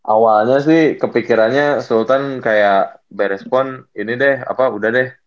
awalnya sih kepikirannya sultan kayak beres pon ini deh apa udah deh